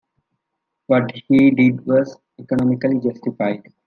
What he did was economically justified.